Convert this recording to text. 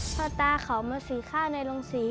พอตาขอมาสื่อข้าวในรงสี